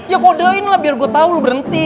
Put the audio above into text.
ya kodokin lah biar gue tau lo berhenti